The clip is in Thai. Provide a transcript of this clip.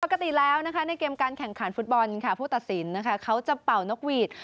ปกติแล้วในเกมการแข่งขาดฟุตบอลผู้ตัดสินเขาจะเป่านกวีด